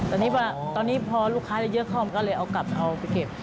ตอนนี้พอลูกค้าได้เยอะค่อมก็เลยเอากลับเอาไปเก็บ